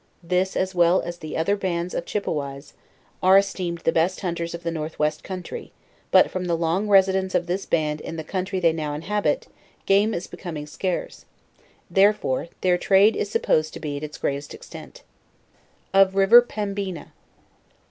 This, as well as the other bands of liippeways, are esteemed the best hunters of the north west imtry; but from the long residence of this band in the counrty ey now inhabit, game is becoming scarce; therefore, their de is supposed to be at its greatest extent. OF RIVER PEMBENA.